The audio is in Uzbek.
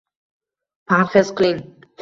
Parxez qiling